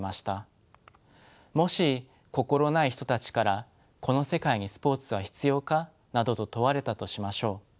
もし心ない人たちから「この世界にスポーツは必要か」などと問われたとしましょう。